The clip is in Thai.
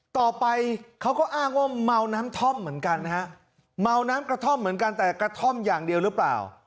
ต่อไปเขาก็อ้างว่าเมาน้ำท่อมเหมือนกันนะฮะเมาน้ำกระท่อมเหมือนกันแต่กระท่อมอย่างเดียวหรือเปล่า